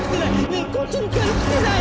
ねえこっちにあれ来てない？